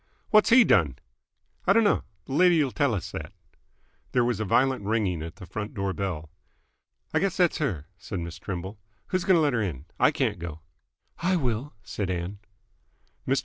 "What's he done?" "I d'no. Th' lady'll tell us that." There was a violent ringing at the front door bell. "I guess that's her," said Miss Trimble. "Who's going to let 'r in? I can't go." "I will," said Ann. Mr.